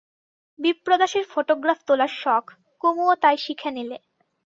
বিপ্রদাসের photograph তোলার শখ, কুমুও তাই শিখে নিলে।